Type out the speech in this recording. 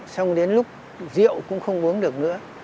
xong đến lúc rượu cũng không uống được nữa